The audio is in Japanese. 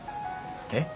えっ？